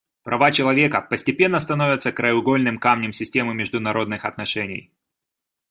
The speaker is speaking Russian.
Права человека постепенно становятся краеугольным камнем системы международных отношений.